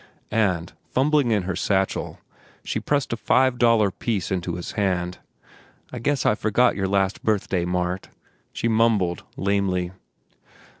And, fumbling in her satchel, she pressed a five dollar piece into his hand. "I guess I forgot your last birthday, Mart," she mumbled lamely.